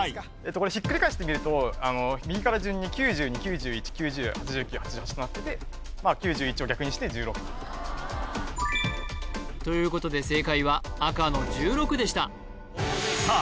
これひっくり返して見ると右から順に９２９１９０８９８８となって９１を逆にして１６ということで正解は赤の１６でしたさあ